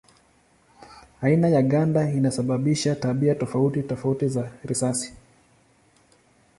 Aina ya ganda inasababisha tabia tofauti tofauti za risasi.